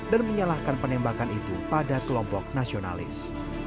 dan menyalahkan penembakan itu pada kelompok nasionalis